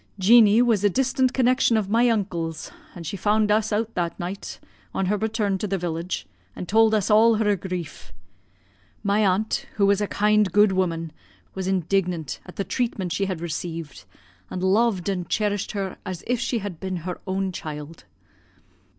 "Jeanie was a distant connexion of my uncle's, and she found us out that night, on her return to the village, and told us all her grief. My aunt, who was a kind good woman, was indignant at the treatment she had received; and loved and cherished her as if she had been her own child.